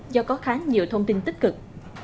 do có khá nhiều thông tin tích cực